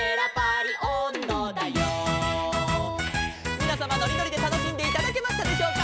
「みなさまのりのりでたのしんでいただけましたでしょうか」